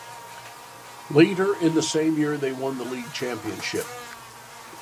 Later in the same year, they won the league championship.